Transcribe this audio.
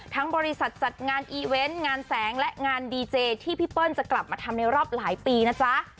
บริษัทจัดงานอีเวนต์งานแสงและงานดีเจที่พี่เปิ้ลจะกลับมาทำในรอบหลายปีนะจ๊ะ